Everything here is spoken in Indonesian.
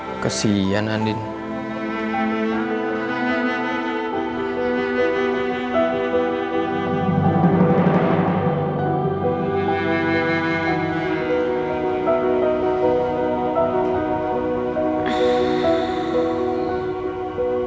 mungkin masalah keluarga yang cukup besar